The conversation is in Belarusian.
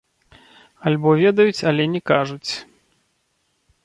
Альбо ведаюць, але не кажуць.